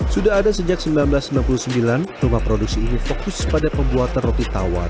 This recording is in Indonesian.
sudah ada sejak seribu sembilan ratus sembilan puluh sembilan rumah produksi ini fokus pada pembuatan roti tawar